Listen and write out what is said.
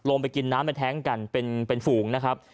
ลงไปกินน้ำไปแท้งกันเป็นฝูงนะครับ